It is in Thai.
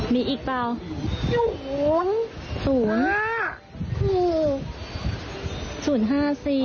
มีอีกเปล่า